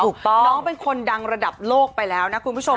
น้องเป็นคนดังระดับโลกไปแล้วนะคุณผู้ชม